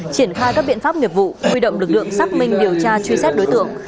triển khai các biện pháp nghiệp vụ huy động lực lượng xác minh điều tra truy xét đối tượng